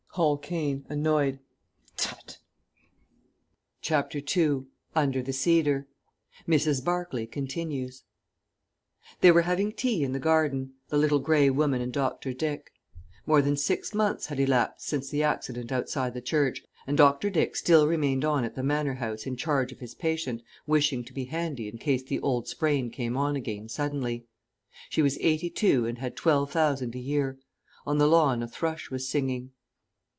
_ Hall Caine (annoyed). Tut!] CHAPTER II UNDER THE CEDAR (MRS. BARCLAY continues) They were having tea in the garden the Little Grey Woman and Dr. Dick. More than six months had elapsed since the accident outside the church, and Dr. Dick still remained on at the Manor House in charge of his patient, wishing to be handy in case the old sprain came on again suddenly. She was eighty two and had twelve thousand a year. On the lawn a thrush was singing.